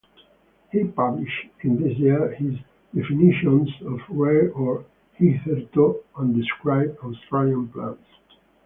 He published in this year his "Definitions of Rare or Hitherto Undescribed Australian Plants".